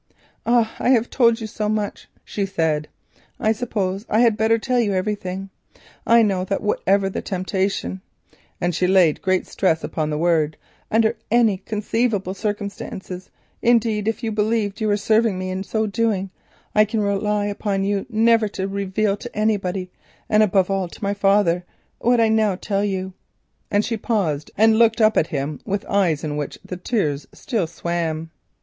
"As I have told you so much," she said, "I suppose that I had better tell you everything. I know that whatever the temptation," and she laid great stress upon the words, "under any conceivable circumstances —indeed, even if you believed that you were serving me in so doing—I can rely upon you never to reveal to anybody, and above all to my father, what I now tell you," and she paused and looked up at him with eyes in which the tears still swam.